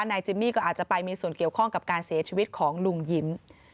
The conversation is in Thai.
นายจิมมี่ก็อาจจะไปมีส่วนเกี่ยวข้องกับการเสียชีวิตของลุงยิ้ม